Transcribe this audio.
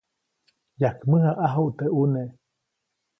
Yajkmäjaʼajuʼt teʼ ʼune.